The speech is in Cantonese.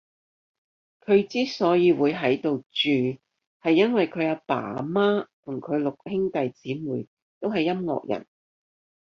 佢之所以會喺度住，係因為佢阿爸阿媽同佢個六兄弟姐妹都係音樂人